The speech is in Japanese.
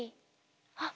．あっ